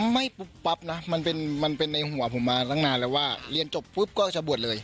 ไม่ปุ๊บปั๊บนะมันเป็นในหัวผมมาตั้งนานแล้วว่าเรียนจบปุ๊บก็จะบวชเลย